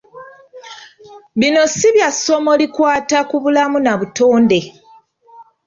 Bino si bya ssomo likwata ku bulamu na butonde.